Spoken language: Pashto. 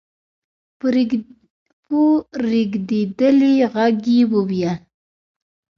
په رېږدېدلې غږ يې وويل: